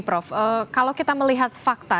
prof kalau kita melihat fakta